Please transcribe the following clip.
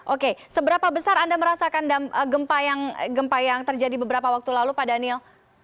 oke seberapa besar anda merasakan gempa yang terjadi beberapa waktu lalu pak daniel